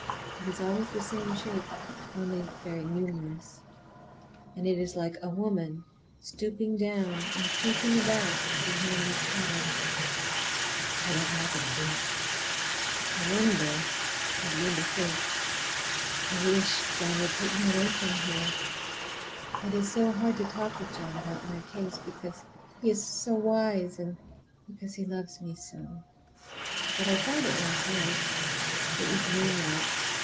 It is always the same shape, only very numerous. And it is like a woman stooping down and creeping about behind that pattern. I don't like it a bit. I wonder—I begin to think—I wish John would take me away from here! It is so hard to talk with John about my case, because he is so wise, and because he loves me so. But I tried it last night. It was moonlight.